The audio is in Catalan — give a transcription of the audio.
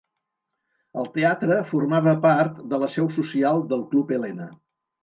El teatre formava part de la seu social del Club Helena.